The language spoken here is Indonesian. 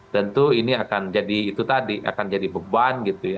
tentu ini akan jadi itu tadi akan jadi beban gitu ya